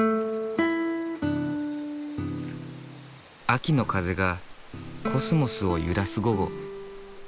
秋の風がコスモスを揺らす午後。